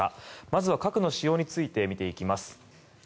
まずは核の使用について見ていきます。